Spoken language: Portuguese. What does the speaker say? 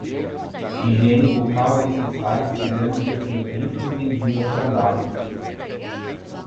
Higiene bucal é necessária se quiser manter seus dentes e gengiva saudáveis